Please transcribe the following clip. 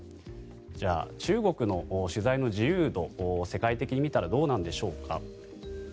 じゃあ、中国の取材の自由度世界的に見たらどうなんでしょうか。